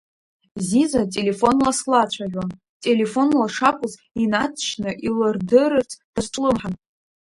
Зиза телефонла слацәажәон, телефонла шакәыз инаҵшьны илырдырырц дазҿлымҳан.